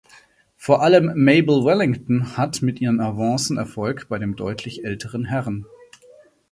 Vor allem Mabel Wellington hat mit ihren Avancen Erfolg bei dem deutlich älteren Herrn.